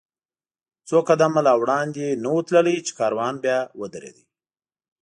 څو قدمه لا وړاندې نه و تللي، چې کاروان بیا ودرېد.